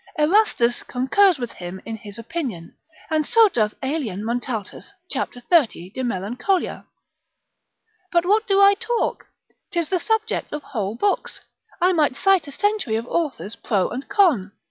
Th. Erastus concurs with him in his opinion, and so doth Aelian Montaltus cap. 30 de melan. But what do I talk? 'tis the subject of whole books; I might cite a century of authors pro and con.